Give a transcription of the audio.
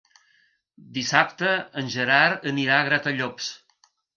Dissabte en Gerard anirà a Gratallops.